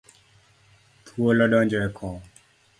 Thuol odonjo e koo